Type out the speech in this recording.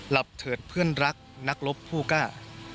เถิดเพื่อนรักนักรบผู้กล้า